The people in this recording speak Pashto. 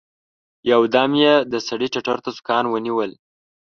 يو دم يې د سړي ټتر ته سوکان ونيول.